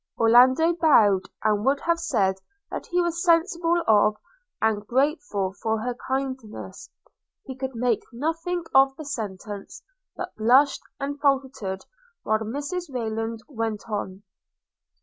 Orlando bowed, and would have said that he was sensible of and grateful for her kindness; he could make nothing of the sentence – but blushed and faltered while Mrs Rayland went on.